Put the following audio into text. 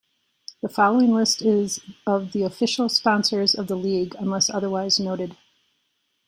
The following list is of the official sponsors of the League, unless otherwise noted.